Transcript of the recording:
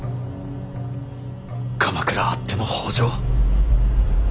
鎌倉あっての北条。